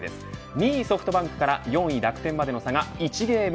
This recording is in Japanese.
２位ソフトバンクから４位楽天までの差が１ゲーム。